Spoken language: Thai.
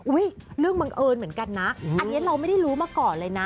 เรื่องบังเอิญเหมือนกันนะอันนี้เราไม่ได้รู้มาก่อนเลยนะ